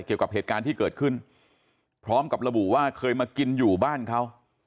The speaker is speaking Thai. เกี่ยวกับเหตุการณ์ที่เกิดขึ้นพร้อมกับระบุว่าเคยมากินอยู่บ้านเขา